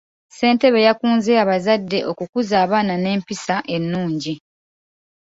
Ssentebe yakunze abazadde okukuza abaana n'empisa ennungi.